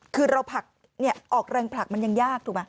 คือเราผลักออกแรงผลักมันยังยากถูกไหม